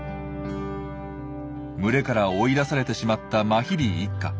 群れから追い出されてしまったマヒリ一家。